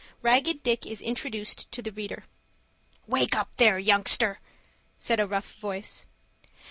RAGGED DICK IS INTRODUCED TO THE READER "Wake up there, youngster," said a rough voice.